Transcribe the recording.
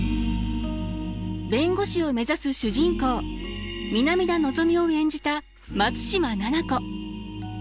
弁護士を目指す主人公南田のぞみを演じた松嶋菜々子。